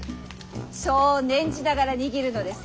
そう念じながら握るのです。